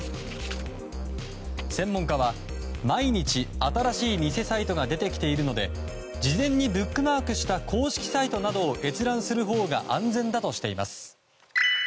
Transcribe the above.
専門家は、毎日新しい偽サイトが出てきているので事前にブックマークした公式サイトなどを閲覧するほうが安全だとしています。